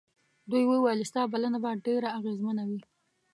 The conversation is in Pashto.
دوی وویل ستا بلنه به ډېره اغېزمنه وي.